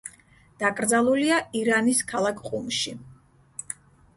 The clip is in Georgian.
დაკრძალულია ირანის ქალაქ ყუმში.